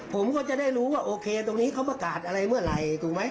ผมก็จะได้รู้ว่าโอเคตรงนี้เขาประกาศอะไรเมื่อไหร่ถูกไหม